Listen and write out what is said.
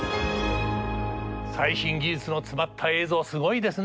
最新技術の詰まった映像すごいですね。